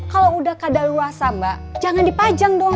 kalau udah kadal ruasa mbak jangan dipajang dong